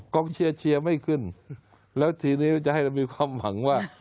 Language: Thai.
กองเชียร์เชียร์ไม่ขึ้นแล้วทีนี้จะให้เรามีความหวังว่า